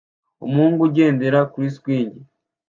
Umuhungu ugendera kuri swing